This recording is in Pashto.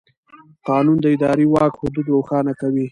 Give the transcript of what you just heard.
قانون د اداري واک حدود روښانه کوي.